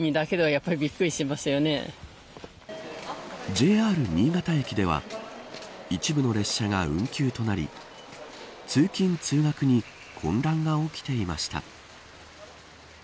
ＪＲ新潟駅では一部の列車が運休となり通勤、通学に混乱が起きていました。